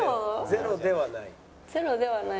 「ゼロではない」。